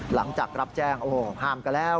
หลังจากรับแจ้งโอ้โหห้ามกันแล้ว